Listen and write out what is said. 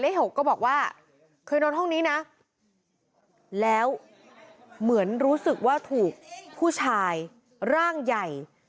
หกก็บอกว่าเคยนอนห้องนี้นะแล้วเหมือนรู้สึกว่าถูกผู้ชายร่างใหญ่